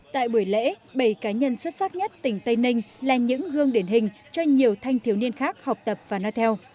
tại buổi lễ bảy cá nhân xuất sắc nhất tỉnh tây ninh là những gương điển hình cho nhiều thanh thiếu niên khác học tập và nói theo